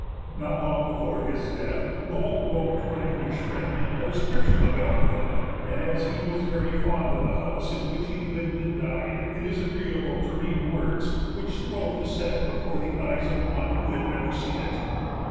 Not long before his death, Lowell wrote to an English friend a description of Elmwood, and as he was very fond of the house in which he lived and died, it is agreeable to read words which strove to set it before the eyes of one who had never seen it.